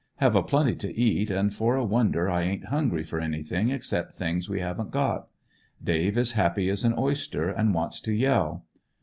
Have a plenty to eat, and for a wonder I ain't hungry for anything except things we haven't got. Dave is happy as an oyster, and wants to yell.